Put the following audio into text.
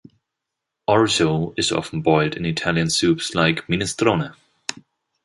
Orzo is often boiled in Italian soups, like minestrone.